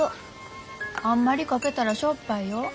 あんまりかけたらしょっぱいよ。